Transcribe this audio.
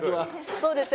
そうですね。